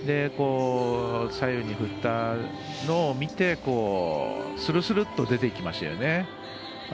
左右に振ったのを見てするするっと出て行きましたよね。